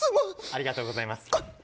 ありがとうございます。